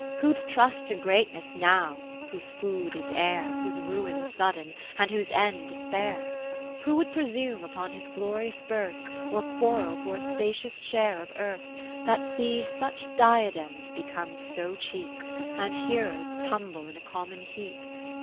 Who'd trust to greatness now, whose food is air. Whose ruin sudden, and whose end despair ? Who would presume upon his Glorious Birth, Or quarrel for a spacious share of Earth, 30 That sees such Diadems become so cheap. And Heroes tumble in a common heap?